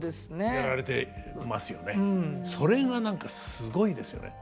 それが何かすごいですよね。